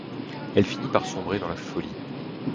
Elle finit par sombrer dans la folie.